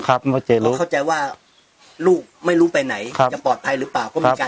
เขาเข้าใจว่าลูกไม่รู้ไปไหนจะปลอดภัยหรือเปล่าก็มีการ